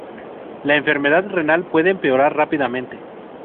La enfermedad renal puede empeorar rápidamente.